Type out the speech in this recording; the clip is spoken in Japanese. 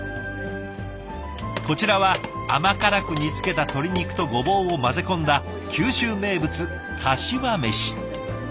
こちらは甘辛く煮つけた鶏肉とごぼうを混ぜ込んだ九州名物かしわめし。